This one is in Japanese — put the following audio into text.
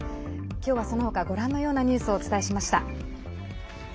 今日はその他ご覧のようなニュースをお伝えしました。